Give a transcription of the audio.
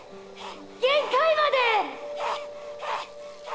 限界まで！